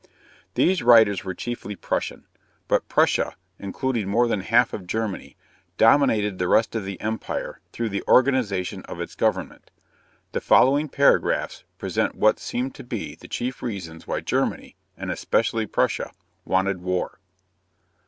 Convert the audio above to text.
These writers were chiefly Prussian, but Prussia, including more than half of Germany, dominated the rest of the empire through the organization of its government. The following paragraphs present what seem to be the chief reasons why Germany, and especially Prussia, wanted war.